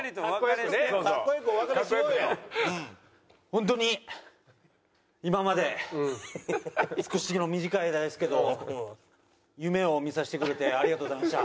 本当に今まで少しの短い間ですけど夢を見させてくれてありがとうございました。